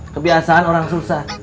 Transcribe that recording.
kebiasaan orang susah